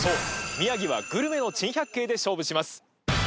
宮城はグルメの珍百景で勝負します。